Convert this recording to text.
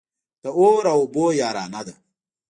د اور او اوبو يارانه ده.